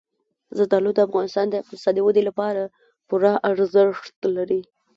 زردالو د افغانستان د اقتصادي ودې لپاره پوره ارزښت لري.